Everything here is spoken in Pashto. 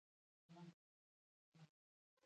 ټکنالوژۍ ژوند ډیر پېچلی کړیدی.